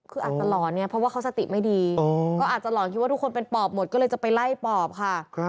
คืออาจจะหลอนเนี่ยเพราะว่าเขาสติไม่ดีก็อาจจะหลอนคิดว่าทุกคนเป็นปอบหมดก็เลยจะไปไล่ปอบค่ะ